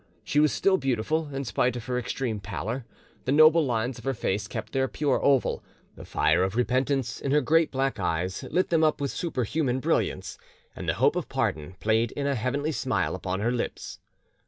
She was still beautiful, in spite of her extreme pallor; the noble lines of her face kept their pure oval; the fire of repentance in her great black eyes lit them up with superhuman brilliance, and the hope of pardon played in a heavenly smile upon her lips.